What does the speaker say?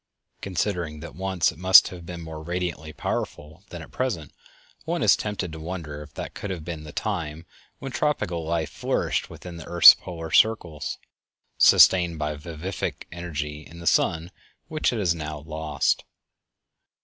Considering that once it must have been more radiantly powerful than at present, one is tempted to wonder if that could have been the time when tropical life flourished within the earth's polar circles, sustained by a vivific energy in the sun which it has now lost.